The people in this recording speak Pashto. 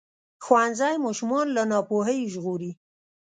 ښوونځی ماشومان له ناپوهۍ ژغوري.